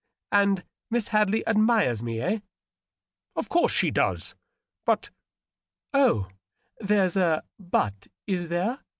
And Miss Hadley admires me, eh ?"" Of course she does. But ^" "Oh, there's a *but,' is there?"